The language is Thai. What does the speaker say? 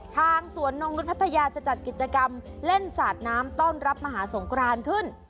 ทางสวนนงนุษย์พัทยาจะจัดกิจกรรมเล่นสาดน้ำต้อนรับมหาสงครานขึ้น